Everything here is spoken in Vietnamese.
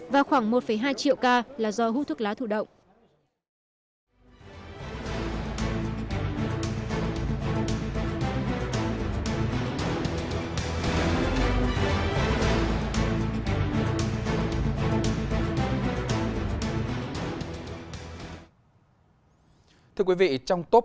và khoảng một hai triệu ca là do hút thuốc lá thủ động